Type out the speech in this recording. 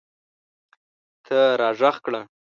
ته راږغ کړه